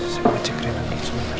saya mau cek renangnya sebentar